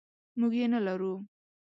موږ یې نلرو.